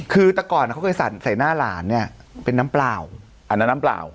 คือแต่ก่อนเขาเคยสั่นใส่หน้าหลานเนี่ยเป็นน้ำเปล่าอันนั้นน้ำเปล่า